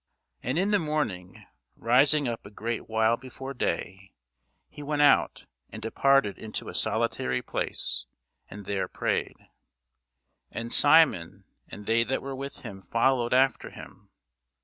And in the morning, rising up a great while before day, he went out, and departed into a solitary place, and there prayed. And Simon and they that were with him followed after him.